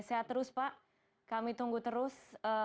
sehat terus pak kami tunggu terus